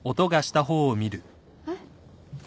えっ？